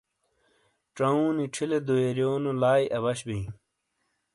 چاؤوں نی چھیلے دھویاریونو لائی ابش ہی۔